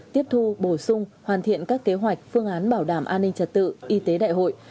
tiếp thu bổ sung hoàn thiện các kế hoạch phương án bảo đảm an ninh trật tự y tế đại hội